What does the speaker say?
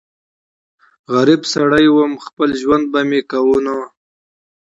غريب سړی ووم خپل ژوندون به مې کوونه